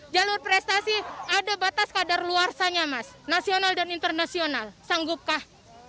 jalur prestasi ada batas kadar luarsanya mas nasional dan internasional sanggupkah